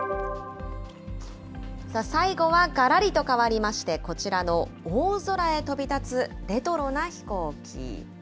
最後はがらりと変わりまして、こちらの大空へ飛び立つレトロな飛行機。